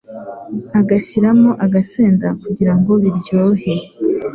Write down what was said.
agashyiramo agasenda kugira ngo biryohe